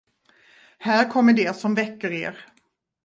Här kommer det, som väcker er.